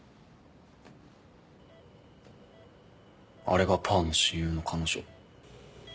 あれがパーの親友の彼女。